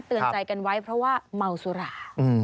เตือนใจกันไว้เพราะว่าเมาสุรา